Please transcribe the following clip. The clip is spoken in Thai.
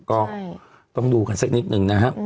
ก็ต้องดูกันสักนิดนึงนะฮะ